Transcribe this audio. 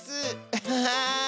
アハハー！